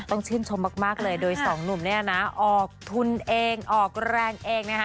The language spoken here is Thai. ต้องชื่นชมมากเลยโดยสองหนุ่มเนี่ยนะออกทุนเองออกแรงเองนะคะ